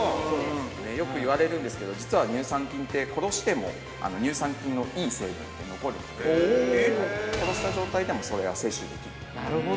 ◆よく言われるんですけど、実は乳酸菌って、殺しても乳酸菌のいい成分って残るので、殺した状態でもそれは摂取できる。